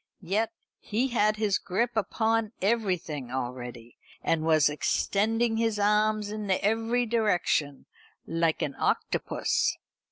Yet he had his grip upon everything already, and was extending his arms in every direction, like an octopus.